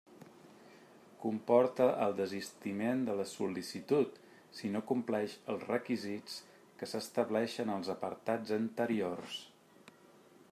Comporta el desistiment de la sol·licitud, si no compleix els requisits que s'estableixen als apartats anteriors.